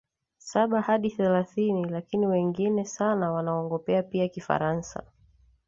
saba Hadi thelathini lakini wengi sana wanaongea pia Kifaransa